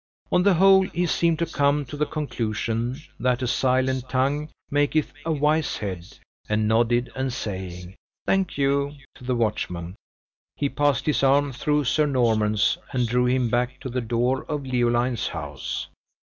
On the whole, he seemed to come to the conclusion, that a silent tongue maketh a wise head, and nodding and saying "Thank you!" to the watchman, he passed his arm through Sir Norman's, and drew him back to the door of Leoline's house.